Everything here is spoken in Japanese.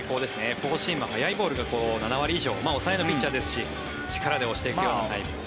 フォーシームは速いボールが７割以上抑えのピッチャーですし力で押していくようなタイプ。